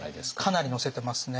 かなり載せてますね。